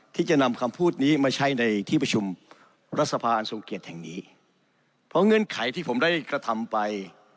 ที่จะนำคำพูดนี้มาใช้ในที่ประชุมรัฐสภาอันทรงเกียจแห่งนี้